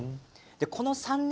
この三年